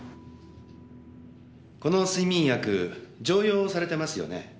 この睡眠薬常用されてますよね？